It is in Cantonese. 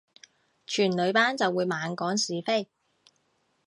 全女班就會猛講是非